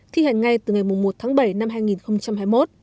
thi hành ngay từ ngày một tháng bảy năm hai nghìn hai mươi một